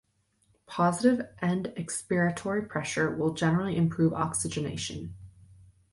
Positive end-expiratory pressure will generally improve oxygenation.